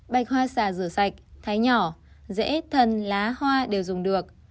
bạch hoa xà rửa sạch thái nhỏ dễ thần lá hoa đều dùng được